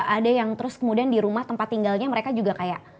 ada yang terus kemudian di rumah tempat tinggalnya mereka juga kayak